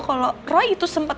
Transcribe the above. kalau roy itu sempat